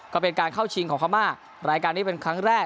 ก็เป็นการเข้าชิงของพม่ารายการนี้เป็นครั้งแรก